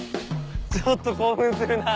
ちょっと興奮するなぁ。